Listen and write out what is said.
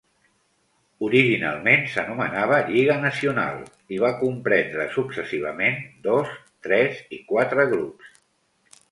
Originalment s'anomenava Lliga Nacional, i va comprendre successivament dos, tres i quatre grups.